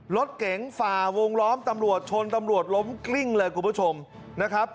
รถเก๋งฝ่าวงล้อมตำรวจชนตำรวจล้มกลิ้งเลยคุณผู้ชมนะครับ